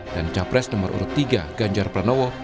dan capres nomor urut tiga ganjar pranowo